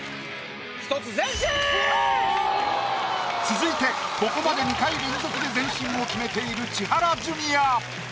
続いてここまで２回連続で前進を決めている千原ジュニア。